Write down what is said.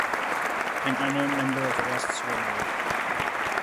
An unknown number of arrests were made.